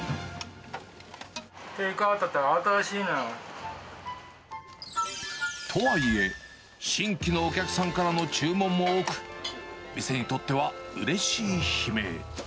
テイクアウトって慌ただしいとはいえ、新規のお客さんからの注文も多く、店にとっては、うれしい悲鳴。